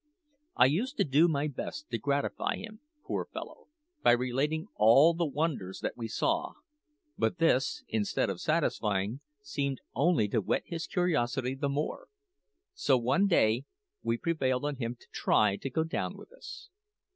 I used to do my best to gratify him, poor fellow, by relating all the wonders that we saw; but this, instead of satisfying, seemed only to whet his curiosity the more, so one day we prevailed on him to try to go down with us.